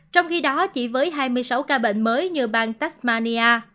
trong khi đó chỉ với hai mươi sáu ca bệnh mới như bang tasmania